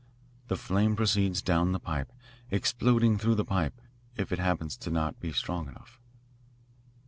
The flame proceeds down the pipe exploding through the pipe, if it happens to be not strong enough.